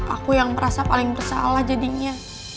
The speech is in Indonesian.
aku yang merasa paling bersalah jadinya